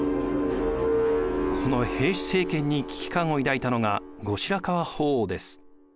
この平氏政権に危機感を抱いたのが後白河法皇です。